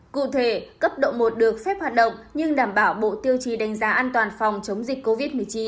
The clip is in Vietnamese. cụ thể cấp độ một được phép hoạt động nhưng đảm bảo bộ tiêu chí đánh giá an toàn phòng chống dịch covid một mươi chín